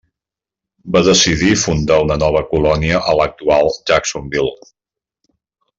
Va decidir fundar una nova colònia a l'actual Jacksonville.